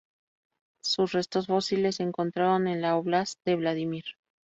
Sus restos fósiles se encontraron en la Óblast de Vladímir.